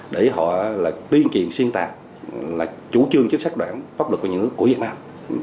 để họ là tuyên truyền xuyên tạp là chủ trương chính sách đoạn pháp luật của nhà nước của việt nam